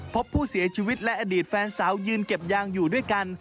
พบผู้เสียชีวิตและอดีตแฟนสาวยืนเก็บยางอยู่ด้วยกัน